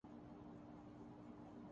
امریکی science fiction action film ہے